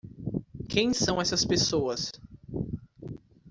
Quem são essas pessoas?